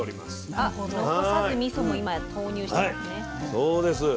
残さずみそも今投入してますね。